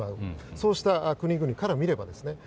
そうした国々から見ればですね。